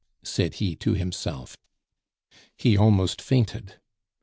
said he to himself. He almost fainted.